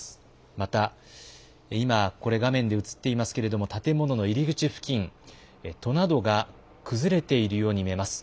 また、今、これ、画面で映っていますけれども、建物の入り口付近、戸などが崩れているように見えます。